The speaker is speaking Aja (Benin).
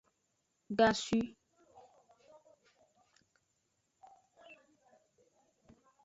Gasu.